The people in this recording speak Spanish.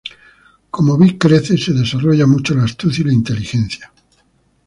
Como Vic crece, se desarrolla mucho la astucia y la inteligencia.